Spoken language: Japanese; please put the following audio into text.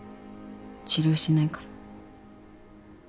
治療しないから。